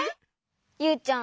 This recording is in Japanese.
ユウちゃん